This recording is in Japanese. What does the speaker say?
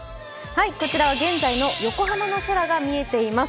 こちらは現在の横浜の空が見えています。